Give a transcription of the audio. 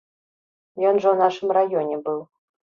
Ён жа ў нашым раёне быў.